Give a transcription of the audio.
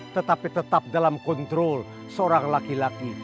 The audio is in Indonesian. tetapi tetap dalam kontrol seorang laki laki